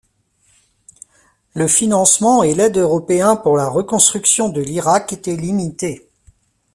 Le financement et l’aide européen pour la reconstruction de l'Irak était limité.